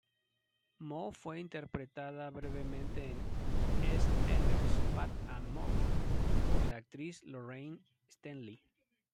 Mo fue interpretada brevemente en "EastEnders: Pat and Mo" por la actriz Lorraine Stanley.